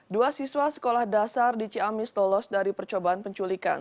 dua siswa sekolah dasar di ciamis lolos dari percobaan penculikan